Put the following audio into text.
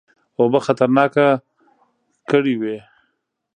اوبه خطرناکه کړي وې.